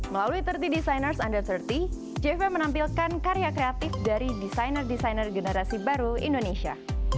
melalui tiga puluh designers under tiga puluh jv menampilkan karya kreatif dari desainer desainer generasi baru indonesia